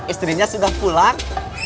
istrinya sudah pulang